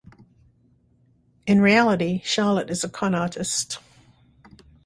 In reality, Charlotte is a con artist.